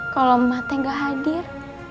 kalau emak teh gak hadir